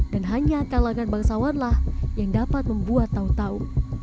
dan hanya kalangan bangsawanlah yang dapat membuat tau tau